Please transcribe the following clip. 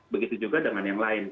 begitu juga dengan yang lain